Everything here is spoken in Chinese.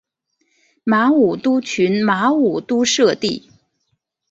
马武督群马武督社地。